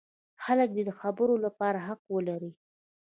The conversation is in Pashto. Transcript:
خلک دې د خبرو لپاره حق ولري.